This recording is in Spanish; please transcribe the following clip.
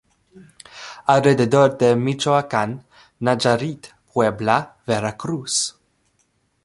Alrededor de Michoacán, Nayarit, Puebla, Veracruz.